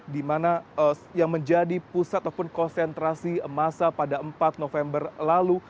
di mana yang menjadi pusat ataupun konsentrasi masa pada empat november lalu